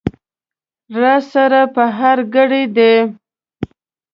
را سره په هر ګړي دي